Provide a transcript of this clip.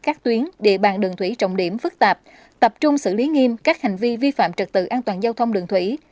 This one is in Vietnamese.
các tuyến địa bàn đường thủy trọng điểm phức tạp tập trung xử lý nghiêm các hành vi vi phạm trật tự an toàn giao thông đường thủy